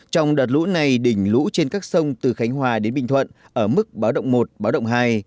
trong đợt lũ này đỉnh lũ trên các sông từ khánh hòa đến bình thuận ở mức báo động một báo động hai